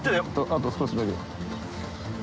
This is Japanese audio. あと少しだけ。